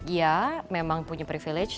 ya memang punya privilege